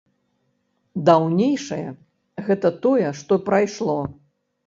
Даўнейшае гэта тое, што прайшло.